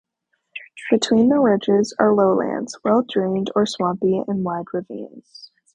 Between the ridges are lowlands (well drained or swampy) and wide ravines.